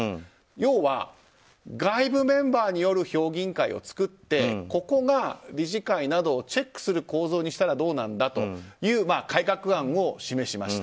要は外部メンバーによる評議員会を作ってここが理事会などをチェックする構造にしたらどうなんだという改革案を示しました。